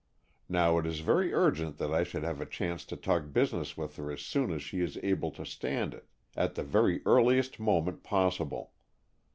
Now, it is very urgent that I should have a chance to talk business with her as soon as she is able to stand it, at the very earliest moment possible.